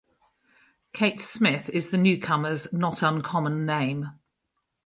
Kate Smith is the newcomer's not uncommon name.